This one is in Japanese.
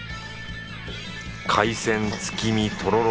海鮮月見とろろ